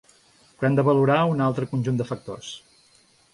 Però hem de valorar un altre conjunt de factors.